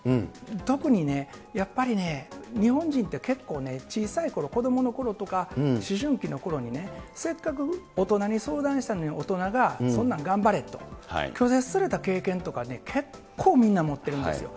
特にやっぱり、日本人って結構ね、小さいころ、子どものころとか思春期のころにせっかく大人に相談したのに、大人がそんなん頑張れと拒絶された経験とか結構みんな持ってるんですよ。